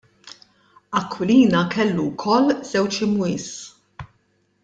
Aquilina kellu wkoll żewġ imwies.